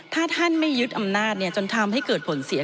ถ้าท่านไม่ยึดอำนาจจนทำให้เกิดผลเสีย